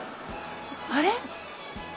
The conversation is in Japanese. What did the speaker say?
あれ？